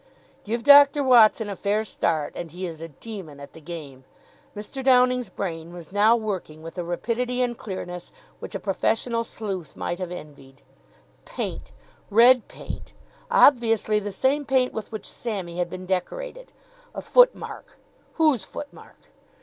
Give Dr. Watson a fair start, and he is a demon at the game. Mr. Downing's brain was now working with a rapidity and clearness which a professional sleuth might have envied. Paint. Red paint. Obviously the same paint with which Sammy had been decorated. A foot mark. Whose foot mark?